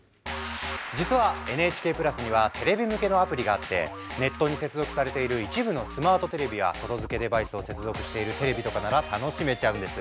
実はＮＨＫプラスにはテレビ向けのアプリがあってネットに接続されている一部のスマートテレビや外付けデバイスを接続しているテレビとかなら楽しめちゃうんです。